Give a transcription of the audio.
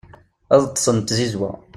ad ṭṭsen d tzizwa